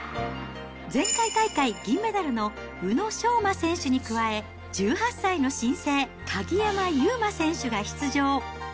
前回大会、銀メダルの宇野昌磨選手に加え、１８歳の新星、鍵山優真選手が出場。